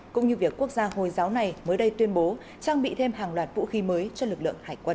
cũng như việc quốc gia hồi giáo này mới đây tuyên bố trang bị thêm hàng loạt vũ khí mới cho lực lượng hải quân